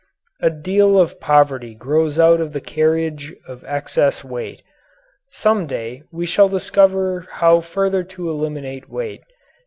A deal of poverty grows out of the carriage of excess weight. Some day we shall discover how further to eliminate weight.